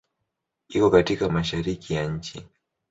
Iko katika Mashariki ya nchi.